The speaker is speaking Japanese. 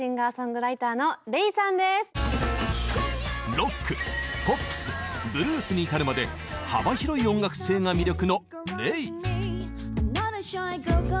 ロックポップスブルースに至るまで幅広い音楽性が魅力のＲｅｉ。